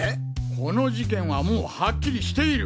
この事件はもうはっきりしている。